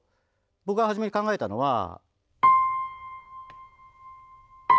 僕が初めに考えたのは。